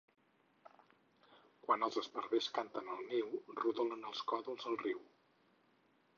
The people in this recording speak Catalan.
Quan els esparvers canten al niu rodolen els còdols al riu.